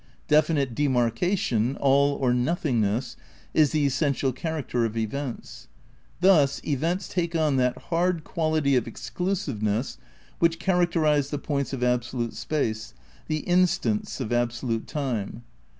Definite demarcation, all or nothingness, is the essential character of events. Thus events take on that hard quality of exolusiveness which characterised the points of absolute space, the instants of absolute time.